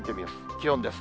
気温です。